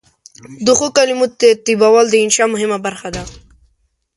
د ښو کلمو ترتیبول د انشأ مهمه برخه ده.